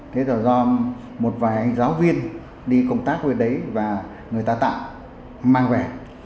thế là do một vài giáo viên đi công tác với đấy và người ta tạm mang về